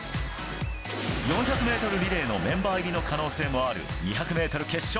４００ｍリレーのメンバー入りの可能性もある２００ｍ決勝。